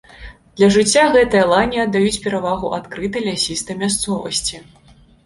Для жыцця гэтыя лані аддаюць перавагу адкрытай лясістай мясцовасці.